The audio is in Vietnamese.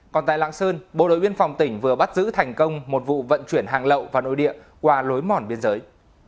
còn tại lạng sơn bộ đội biên phòng tỉnh vừa bắt giữ thành công một vụ vận chuyển hàng lậu vào nội địa qua lối mòn biên giới